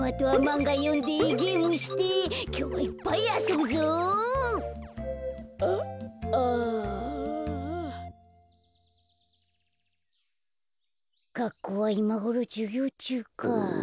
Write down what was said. がっこうはいまごろじゅぎょうちゅうか。